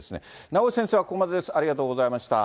名越先生はここまでです、ありがとうございました。